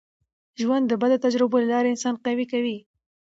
ژوند د بدو تجربو له لاري انسان قوي کوي.